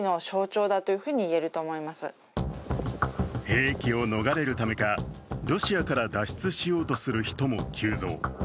兵役を逃れるためか、ロシアから脱出しようとする人も急増。